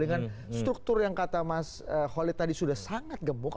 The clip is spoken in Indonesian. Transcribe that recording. dengan struktur yang kata mas holid tadi sudah sangat gemuk